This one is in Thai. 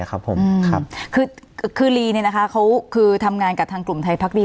คือรีนี่นะคะเขาทำงานกับทางกลุ่มไทยพักดี